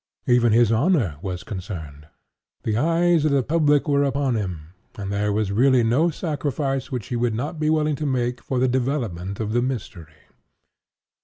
Even his honor was concerned. The eyes of the public were upon him; and there was really no sacrifice which he would not be willing to make for the development of the mystery.